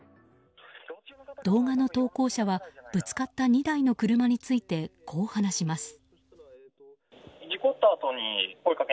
動画の投稿者はぶつかった２台の車についてこう話します。